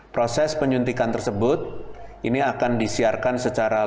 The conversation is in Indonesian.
proses penyuntikan tersebut ini akan disiarkan secara langsung